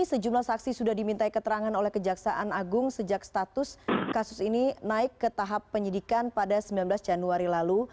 sejumlah saksi sudah diminta keterangan oleh kejaksaan agung sejak status kasus ini naik ke tahap penyidikan pada sembilan belas januari lalu